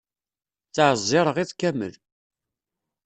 Ttɛeẓẓireɣ iḍ kamel.